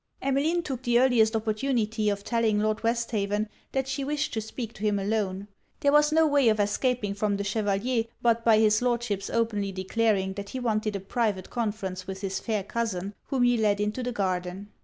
Emmeline took the earliest opportunity of telling Lord Westhaven that she wished to speak to him alone. There was no way of escaping from the Chevalier but by his Lordship's openly declaring that he wanted a private conference with his fair cousin, whom he led into the garden.